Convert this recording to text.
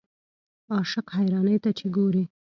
عاشق حیرانۍ ته چې ګورې.